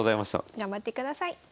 頑張ってください。